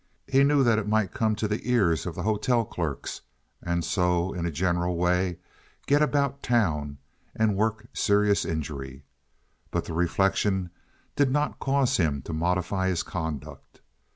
He knew that it might come to the ears of the hotel clerks, and so, in a general way, get about town and work serious injury, but the reflection did not cause him to modify his conduct.